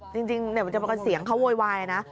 จริงเดี๋ยวมันจะมากับเสียงเขาโวยวายนะ